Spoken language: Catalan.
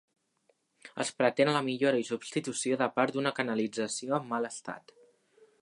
Es pretén la millora i substitució de part d’una canalització en mal estat.